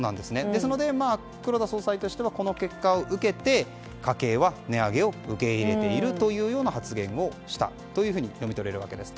ですので黒田総裁としてはこの結果を受けて家計は値上げを受け入れているという発言をしたと読み取れるわけです。